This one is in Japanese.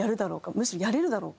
むしろやれるだろうか？